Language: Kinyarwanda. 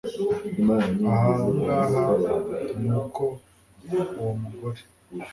ahangaha ni uko uwo mugore